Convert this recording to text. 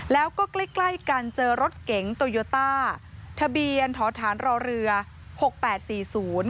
แล้วก็ใกล้ใกล้กันเจอรถเก๋งโตโยต้าทะเบียนท้อฐานรอเรือหกแปดสี่ศูนย์